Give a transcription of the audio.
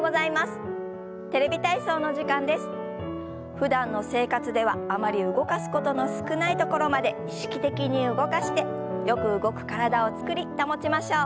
ふだんの生活ではあまり動かすことの少ないところまで意識的に動かしてよく動く体を作り保ちましょう。